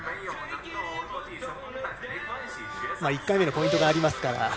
１回目のポイントがありますから。